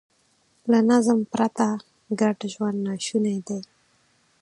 له نظم پرته ګډ ژوند ناشونی دی.